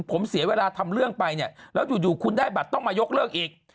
ผมเสียเวลาทำเรื่องไปเนี่ยแล้วอยู่คุณได้บัตรต้องมายกเลิกอีก